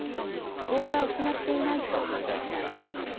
希望は失っていないと述べました。